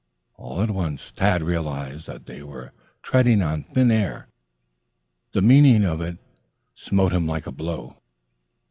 All at once Tad realized that they were treading on thin air. The meaning of it all, smote him like a blow.